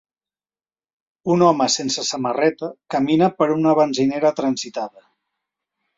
Un home sense samarreta camina per una benzinera transitada.